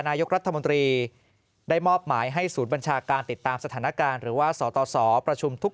นายกรัฐมนตรีได้มอบหมายให้ศูนย์บัญชาการติดตามสถานการณ์หรือว่าสตสประชุมทุก